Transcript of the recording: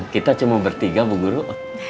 kita cuma bertiga bu guru